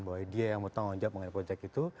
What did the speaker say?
bahwa dia yang mau tanggung jawab mengenai proyek itu